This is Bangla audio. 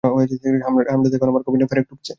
হারামজাদা এখন আমার কফিনে পেরেক ঠুকছে।